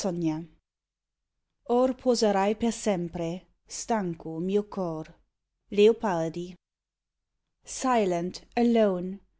69 " Or poserai per sempre, Stance mio cor." LEOPARDI. SILENT, alone